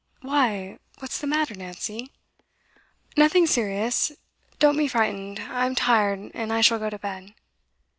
'Why? What's the matter, Nancy?' 'Nothing serious. Don't be frightened, I'm tired, and I shall go to bed.